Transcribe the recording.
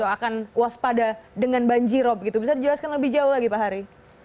akan waspada dengan banjirop gitu bisa dijelaskan lebih jauh lagi pak hari